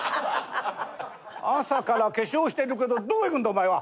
「朝から化粧してるけどどこ行くんだお前は！」。